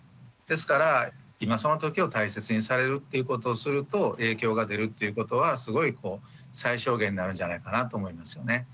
ですから今そのときを大切にされるっていうことをすると影響が出るっていうことはすごいこう最小限になるんじゃないかなと思いますよね。